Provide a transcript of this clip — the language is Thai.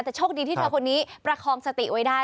แต่โชคดีที่เธอคนนี้ประคองสติไว้ได้